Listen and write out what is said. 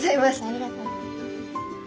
ありがとうございます。